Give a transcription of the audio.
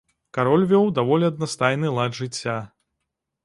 Кароль вёў даволі аднастайны лад жыцця.